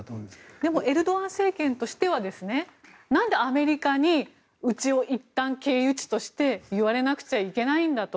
でもエルドアン政権としてはなんでアメリカにうちをいったん経由地として言われなくちゃいけないんだと。